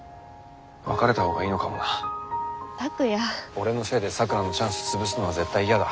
俺のせいで咲良のチャンス潰すのは絶対嫌だ。